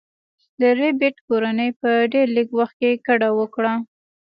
د ربیټ کورنۍ په ډیر لږ وخت کې کډه وکړه